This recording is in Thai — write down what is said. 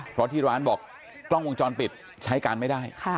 เพราะที่ร้านบอกกล้องวงจรปิดใช้การไม่ได้